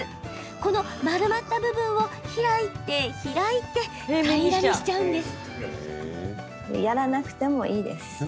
この丸まった部分を開いて開いて平らにしちゃうんです。